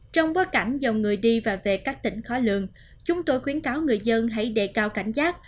trong bối cảnh dòng người đi và về các tỉnh khó lường chúng tôi khuyến cáo người dân hãy đề cao cảnh giác